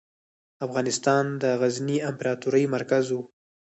افغانستان د غزني امپراتورۍ مرکز و.